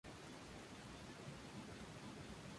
La cinta es de color azul oscuro.